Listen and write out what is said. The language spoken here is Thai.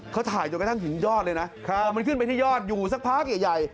เขาถ่ายจนกระทั่งถึงยอดเลยนะพอมันขึ้นไปที่ยอดอยู่สักพักใหญ่